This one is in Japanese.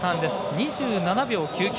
２７秒９９。